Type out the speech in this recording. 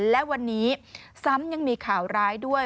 และวันนี้ซ้ำยังมีข่าวร้ายด้วย